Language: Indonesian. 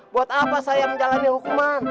buat apa saya menjalani hukuman